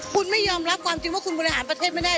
คุณไม่ยอมรับความจริงว่ากระดับประเภทไม่ได้